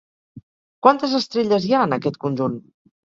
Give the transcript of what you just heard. Quantes estrelles hi ha en aquest conjunt?